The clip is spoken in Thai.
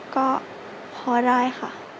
เร็ว